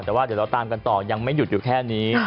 แต่ว่าเดี๋ยวเราตามกันต่อยังไม่หยุดอยู่แค่นี้